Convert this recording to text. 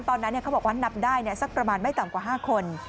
ตอนนั้นเขาบอกว่านับได้สักประมาณไม่ต่ำกว่า๕คน